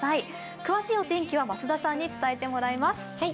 詳しいお天気は増田さんに伝えてもらいます。